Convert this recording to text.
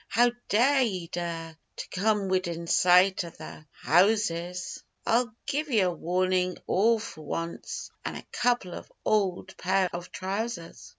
How dare ye dare To come widin sight av the houses? I'll give ye a warnin' all for wance An' a couple of ould pair of trousers.